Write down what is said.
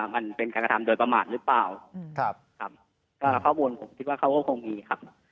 มันเป็นการกระทำโดยประมาทหรือเปล่าครับก็ข้อมูลผมคิดว่าเขาก็คงมีครับ